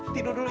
tidur dulu ya